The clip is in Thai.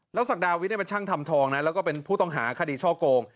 แล้วสักดาวิทย์เป็นช่างทำทองและผู้ต้องหาคดีช่อโกง